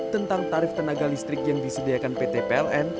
tentang tarif tenaga listrik yang disediakan pt pln